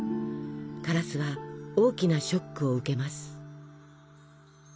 カラスは大きなショックを受けます。